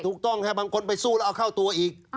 ถูกต้องครับบางคนไปสู้แล้วเอาเข้าตัวอีก